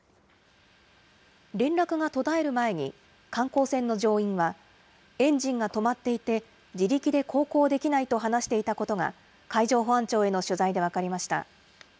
連絡が途絶える前に、観光船の乗員は、エンジンが止まっていて、自力で航行できないと話していたことが海上保安庁への取材で分かりました。